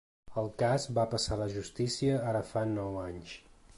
El cas va passar a la justícia ara fa nou anys.